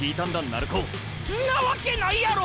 んなわけないやろ！